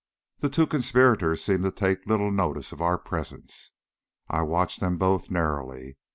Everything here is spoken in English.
The two conspirators seemed to take little notice of our presence. I watched them both narrowly.